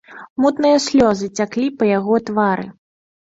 Мутныя слёзы цяклі па яго твары.